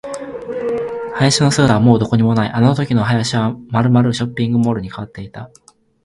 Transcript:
林の姿はもうどこにもない。あのときの林はまるまるショッピングモールに変わっていた。